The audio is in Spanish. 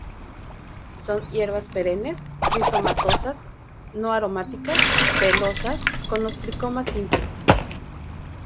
Son hierbas perennes, rizomatosas, no aromáticas, pelosas, con los tricomas simples.